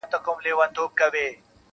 • خو حقيقت نه بدل کيږي تل..